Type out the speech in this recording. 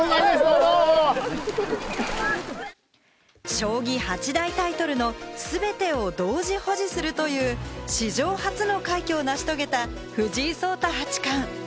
将棋八大タイトルの全てを同時保持するという史上初の快挙を成し遂げた藤井聡太八冠。